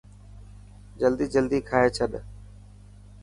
جلدي جلدي کائي ڇڏ.